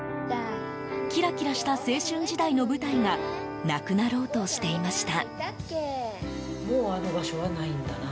キラキラした青春時代の舞台がなくなろうとしていました。